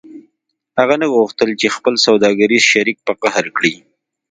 هغه نه غوښتل چې خپل سوداګریز شریک په قهر کړي